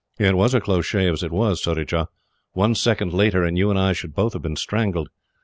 "It was a close shave as it was, Surajah. One second later, and you and I should both have been strangled.